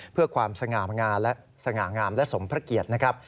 เพื่อความสง่างามและสมพระเกียรตินะครับ